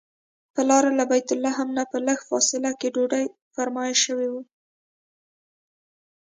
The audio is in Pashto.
پر لاره له بیت لحم نه په لږه فاصله کې ډوډۍ فرمایش شوی و.